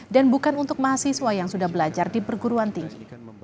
dan bukan untuk mahasiswa yang sudah belajar di perguruan tinggi